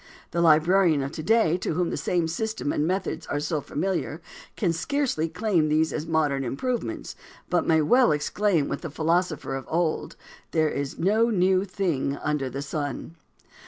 The librarian of to day, to whom the same system and methods are so familiar, can scarcely claim these as modern improvements, but may well exclaim with the philosopher of old, "there is no new thing under the sun."